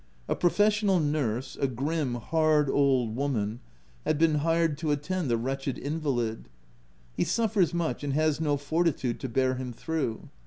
A pro fessional nurse, a grim, hard old woman, had been hired to attend the wretched invalid. He suffers much, and has no fortitude to bear him through.